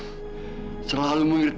liat terus lo omongan kakek